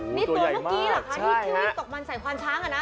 นี่ตัวเมื่อกี้เหรอคะที่วิตกมันใส่ควานช้างอ่ะนะ